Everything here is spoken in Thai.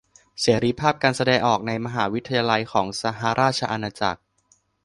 เสรีภาพการแสดงออกในมหาวิทยาลัยของสหราชอาณาจักร